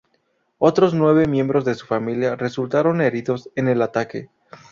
Otros nueve miembros de su familia resultaron heridos en el ataque.